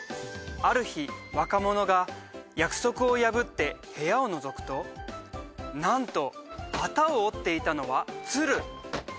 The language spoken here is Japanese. ある日若者が約束を破って部屋をのぞくとなんとはたを織っていたのはツル。